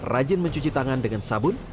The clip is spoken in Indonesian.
rajin mencuci tangan dengan sabun